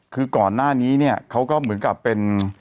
คือก่อนหน้านี้เนี่ยเขาก็เหมือนกับเป็น